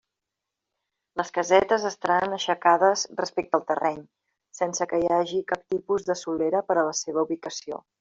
Les casetes estaran aixecades respecte al terreny, sense que hi hagi cap tipus de solera per a la seva ubicació.